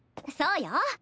そうよ。